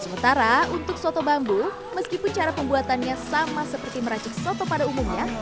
sementara untuk soto bambu meskipun cara pembuatannya sama seperti meracik soto pada umumnya